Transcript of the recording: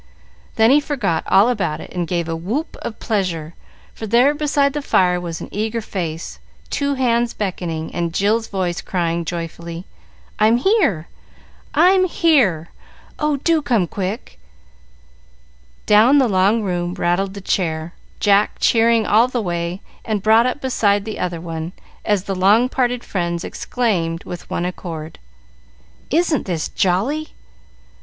Then he forgot all about it and gave a whoop of pleasure, for there beside the fire was an eager face, two hands beckoning, and Jill's voice crying, joyfully, "I'm here! I'm here! Oh, do come, quick!" Down the long room rattled the chair, Jack cheering all the way, and brought up beside the other one, as the long parted friends exclaimed, with one accord, "Isn't this jolly!"